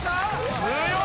強い！